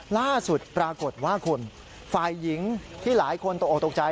ล่าสุดปรากฏว่าคุณฝ่ายหญิงที่หลายคนตกออกตกใจ